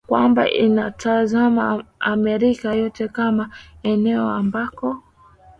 kwamba ilitazama Amerika yote kama eneo ambako